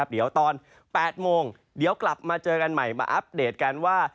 เดี๋ยวตอน๘โมงมาเจอกันใหม่มาอัพเดทการว่า